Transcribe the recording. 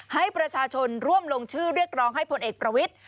ให้ประชาชนร่วมลงชื่อเรียกร้องให้ผลเอกประวิทธิ